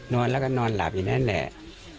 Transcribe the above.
นอนแล้วก็นอนหลับอยู่นั่นแหละ